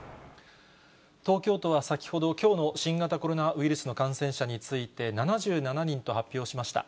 東京都は先ほど、きょうの新型コロナウイルスの感染者について、７７人と発表しました。